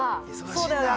◆そうだよね。